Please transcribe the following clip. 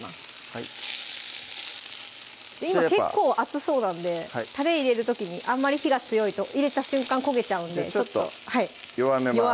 はい今結構熱そうなんでたれ入れる時にあんまり火が強いと入れた瞬間焦げちゃうんでじゃあちょっと弱めます